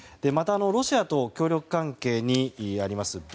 また、ロシアと協力関係にあります